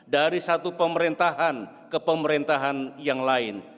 dari satu pemerintahan ke pemerintahan yang lain